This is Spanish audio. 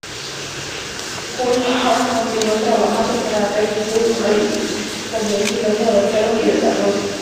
Coulthard continuó trabajando para Red Bull Racing en como piloto de pruebas y desarrollo.